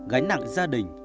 gánh nặng gia đình